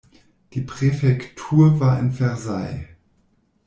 Die Präfektur war in Versailles.